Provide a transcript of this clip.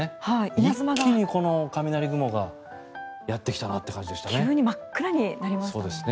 一気に雷雲がやってきたなという感じでしたね。